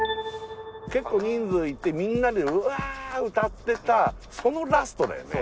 結構人数いてみんなでうわーっ歌ってたそのラストだよね？